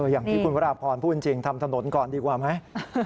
อย่างที่คุณวราพรพูดจริงทำถนนก่อนดีกว่าไหม